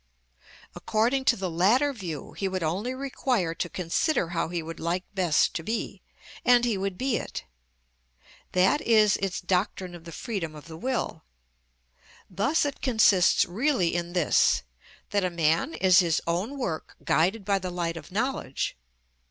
According to the latter view, he would only require to consider how he would like best to be, and he would be it; that is its doctrine of the freedom of the will. Thus it consists really in this, that a man is his own work guided by the light of knowledge.